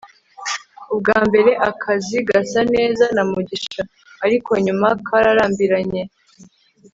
ubwa mbere akazi gasa neza na mugisha, ariko nyuma kararambiranye